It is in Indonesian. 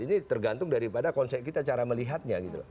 ini tergantung daripada konsep kita cara melihatnya gitu loh